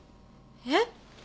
えっ？